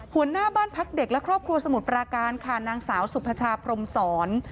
หัวหน้าบ้านพักเด็กและครอบครัวสมุทรปราการค่ะนางสาวสุภาพรมศร